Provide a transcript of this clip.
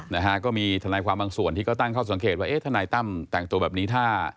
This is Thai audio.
และก็มีทางนายความบางส่วนที่ก็ตั้งเขาสังเกตว่าทางนายตั้มแต่งตัวแบบนี้ท่า